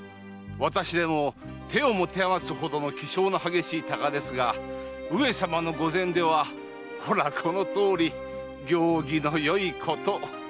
私でも手を持て余すほどの気性の激しい鷹ですが上様の御前ではほらこのとおり行儀のよいこと。